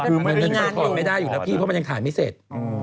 คือถอดไม่ได้อยู่แล้วพี่เพราะมันยังถ่ายไม่เสร็จ